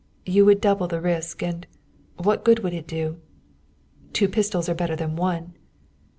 "You would double the risk, and what good would it do?" "Two pistols are better than one."